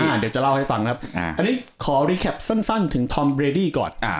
เดี๋ยวจะเล่าให้ฟังนะครับอันนี้ขอรีแคปสั้นถึงทอมเรดี้ก่อน